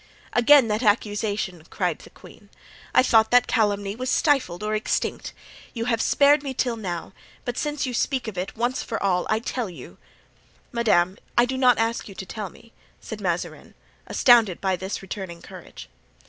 "Again that accusation!" cried the queen. "I thought that calumny was stifled or extinct; you have spared me till now, but since you speak of it, once for all, I tell you——" "Madame, I do not ask you to tell me," said Mazarin, astounded by this returning courage.